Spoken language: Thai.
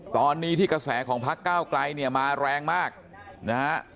ตอนนี้ที่กระแสของพักเก้าไกลเนี่ยมาแรงมากนะฮะ